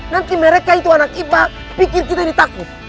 nanti mereka itu anak ipa pikir kita yang ditakut